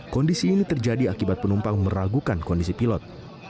kondisi ini terjadi akibat penumpang meragukan kondisi pilot